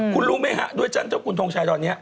คุณรู้ไหมครับด้วยเจ้าคุณธงชัยตอนนี้